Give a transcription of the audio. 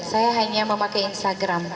saya hanya memakai instagram